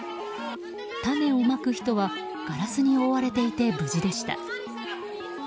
「種をまく人」はガラスに覆われていて無事でした。